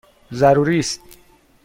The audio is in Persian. ضروری است!